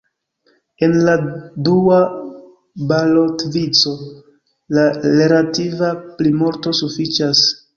En la dua balotvico, la relativa plimulto sufiĉas.